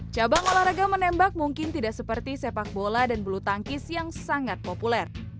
cabang olahraga menembak mungkin tidak seperti sepak bola dan bulu tangkis yang sangat populer